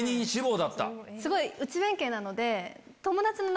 すごい内弁慶なので。